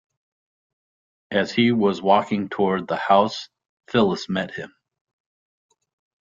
As he was walking toward the house, Phyllis met him.